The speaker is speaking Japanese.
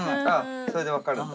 それで分かるんだ。